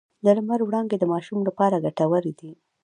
د لمر وړانګې د ماشوم لپاره ګټورې دي۔